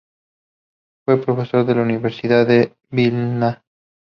Fue profesor de la Universidad de Vilna.